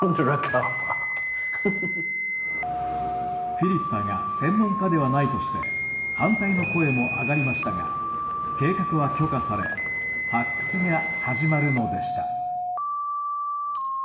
フィリッパが専門家ではないとして反対の声も上がりましたが計画は許可され発掘が始まるのでした。